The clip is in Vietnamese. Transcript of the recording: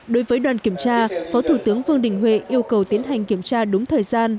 đối với đoàn kiểm tra phó thủ tướng vương đình huệ yêu cầu tiến hành kiểm tra đúng thời gian